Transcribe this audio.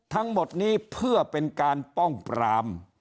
ทั้งหมดนี้เพื่อเป็นการป้องปราม